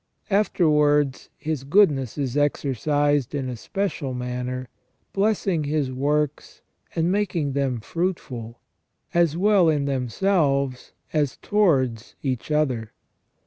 After wards His goodness is exercised in a special manner; blessing His works and making them fruitful, as well in themselves as towards each other.